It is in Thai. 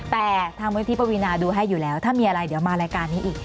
แต่ทางมูลนิธิปวีนาดูให้อยู่แล้วถ้ามีอะไรเดี๋ยวมารายการนี้อีก